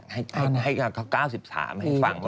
ให้เขา๙๓ให้ฟังว่าเป็นอย่างนั้น